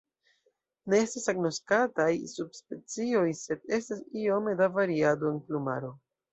Ne estas agnoskataj subspecioj sed estas iome da variado en plumaro.